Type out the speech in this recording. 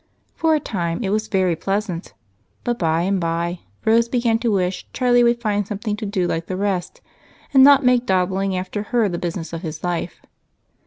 For a time it was very pleasant, but, by and by, Rose began to wish Charlie would find something to do like the rest and not make dawdling after her the business of his life.